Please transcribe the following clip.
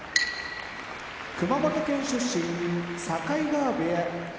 熊本県出身境川部屋